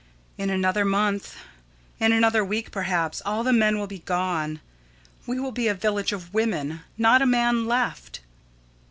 _] In another month, in another week, perhaps, all the men will be gone. We will be a village of women. Not a man left.